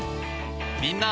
みんな！